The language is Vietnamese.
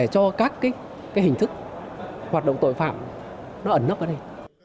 cái hình thức hoạt động tội phạm nó ẩn nấp ở đây